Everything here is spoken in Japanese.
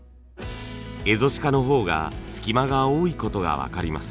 エゾシカの方が隙間が多いことが分かります。